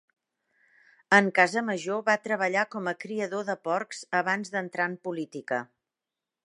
En Casamajó va treballar com a criador de porcs abans d'entrar en política.